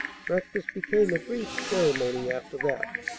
Breakfast became a brief ceremony after that.